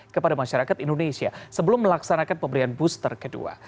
kepada masyarakat indonesia sebelum melaksanakan pemberian booster kedua